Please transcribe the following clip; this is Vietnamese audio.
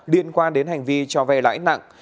liên quan đến hành vi cho vay lãi nặng